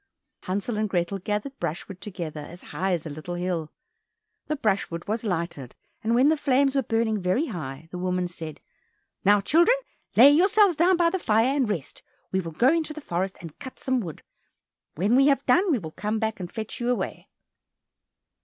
Hansel and Grethel gathered brushwood together, as high as a little hill. The brushwood was lighted, and when the flames were burning very high, the woman said, "Now, children, lay yourselves down by the fire and rest, we will go into the forest and cut some wood. When we have done, we will come back and fetch you away."